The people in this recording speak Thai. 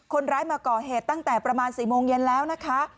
คนร้ายมาก่อเหตุตั้งแต่ประมาณ๔โมงเย็นแล้วนะคะ